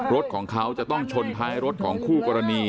รถของเขาจะต้องชนท้ายรถของคู่กรณี